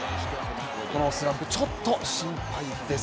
このスランプ、ちょっと心配です。